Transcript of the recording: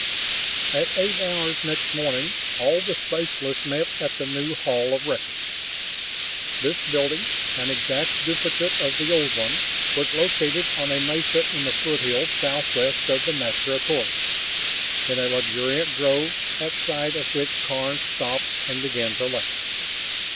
At eight hours next morning all the specialists met at the new Hall of Records. This building, an exact duplicate of the old one, was located on a mesa in the foothills southwest of the natatorium, in a luxuriant grove at sight of which Karns stopped and began to laugh.